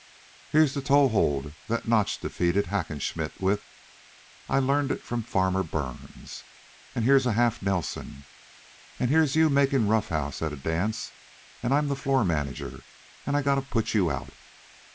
"Here's the toe hold that Notch defeated Hackenschmidt with. I learned it from Farmer Burns. An' here's a half Nelson. An' here's you makin' roughhouse at a dance, an' I 'm the floor manager, an' I gotta put you out."